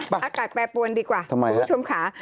อากาศแปรปวนดีกว่าคุณผู้ชมค่ะ